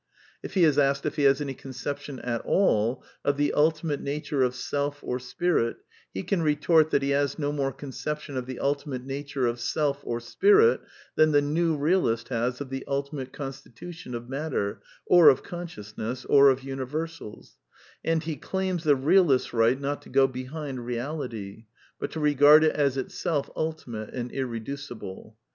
If he is asked if he has any conception at all of the ultimate nature of Self or Spirit, he can retort that he has no more conception of the ultimate nature of Self or Spirit than the new realist has of the ultimate constitu tion of matter, or of consciousness, or of universals ; and Jie claims the realist's right not to go behind reality; but to regard it as itself ultimate and irreducible.